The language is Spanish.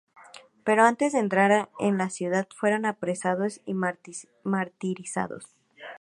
Pero antes de entrar en la ciudad fueron apresados y martirizados.